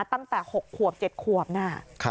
ตั้งแต่๖ขวบ๗ขวบนะ